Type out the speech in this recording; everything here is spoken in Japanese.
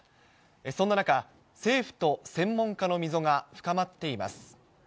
そんな中、政府と専門家の溝が深まっています。